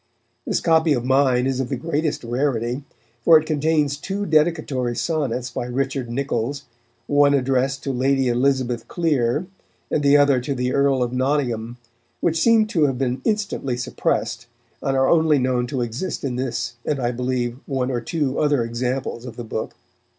This copy of mine is of the greatest rarity, for it contains two dedicatory sonnets by Richard Niccols, one addressed to Lady Elizabeth Clere and the other to the Earl of Nottingham, which seem to have been instantly suppressed, and are only known to exist in this and, I believe, one or two other examples of the book.